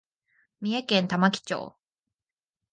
三重県玉城町